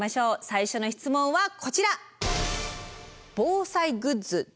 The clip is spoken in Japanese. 最初の質問はこちら。